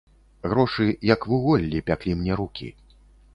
Грошы, як вуголлі, пяклі мне рукі.